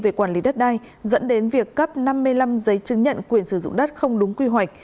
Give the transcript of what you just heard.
về quản lý đất đai dẫn đến việc cấp năm mươi năm giấy chứng nhận quyền sử dụng đất không đúng quy hoạch